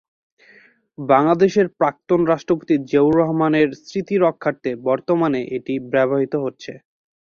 বাংলাদেশের প্রাক্তন রাষ্ট্রপতি জিয়াউর রহমান এর স্মৃতি রক্ষার্থে বর্তমানে এটি ব্যবহৃত হচ্ছে।